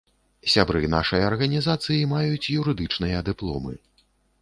Сябры нашай арганізацыі маюць юрыдычныя дыпломы.